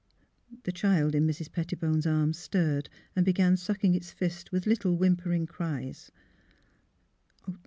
The child in Mrs. Pettibone 's arms stirred and began sucking its fists with little whimpering cries.